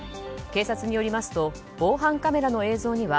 警察によりますと防犯カメラの映像には